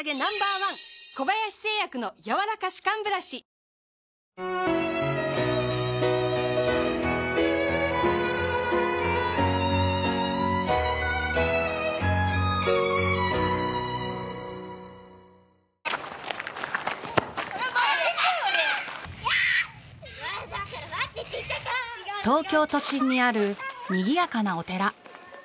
さて東京都心にあるにぎやかなお寺。